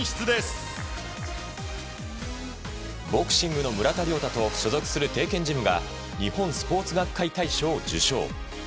ボクシングの村田諒太と所属する帝拳ジムが日本スポーツ学会大賞を受賞。